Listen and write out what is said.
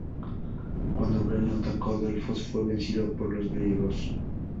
Cuando Breno atacó Delfos fue vencido por los griegos.